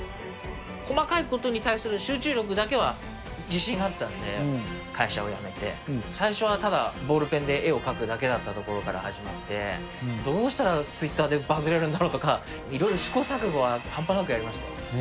細かいことに対する集中力だけは自信があったんで、会社を辞めて、最初はただ、ボールペンで絵を描くだけだったところから始まって、どうしたらツイッターでバズれるんだろうとか、いろいろ試行錯誤は半端なくやりました。